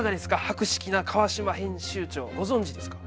博識な川島編集長ご存じですか？